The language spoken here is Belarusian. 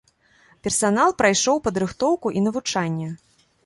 Персанал прайшоў падрыхтоўку і навучанне.